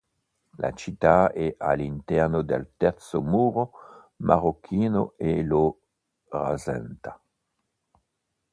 La città è all'interno del terzo muro marocchino e lo rasenta.